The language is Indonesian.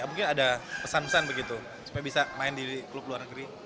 mungkin ada pesan pesan begitu supaya bisa main di klub luar negeri